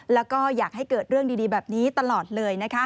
แล้วก็อยากให้เกิดเรื่องดีแบบนี้ตลอดเลยนะคะ